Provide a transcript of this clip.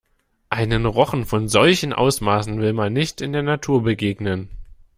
Einem Rochen von solchen Ausmaßen will man nicht in der Natur begegnen.